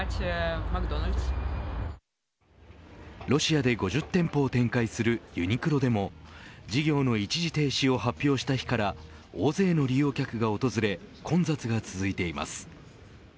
ロシアで５０店舗を展開するユニクロでも事業の一時停止発表した日から大勢の利用客が訪れ混雑が続いています。